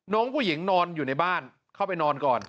น้องผู้หญิงนอนอยู่ในบ้านเข้าไปนอนก่อน